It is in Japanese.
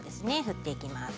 振っていきます。